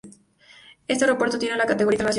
Este aeropuerto tiene la categoría Internacional.